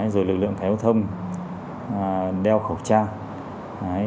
rồi lực lượng cảnh giao thông đeo khẩu trang